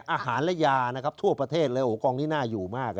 อาหารและยาทั่วประเทศเลยโอ้กองนี่น่าอยู่มาก